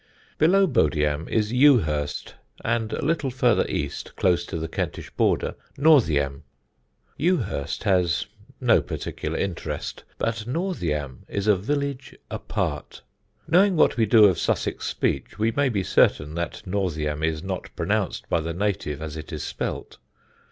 Below Bodiam is Ewhurst, and a little farther east, close to the Kentish border, Northiam. Ewhurst has no particular interest, but Northiam is a village apart. Knowing what we do of Sussex speech we may be certain that Northiam is not pronounced by the native as it is spelt.